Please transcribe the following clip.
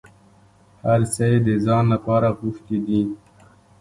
هر څه یې د ځان لپاره غوښتي دي.